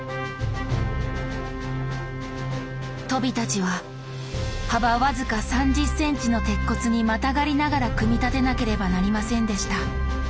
とびたちは幅僅か３０ｃｍの鉄骨にまたがりながら組み立てなければなりませんでした。